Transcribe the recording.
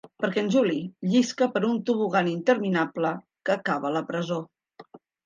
Perquè el Juli llisca per un tobogan interminable que acaba a la presó.